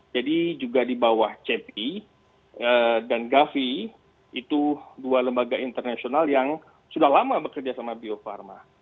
jadi juga di bawah cepi dan gavi itu dua lembaga internasional yang sudah lama bekerjasama bio farma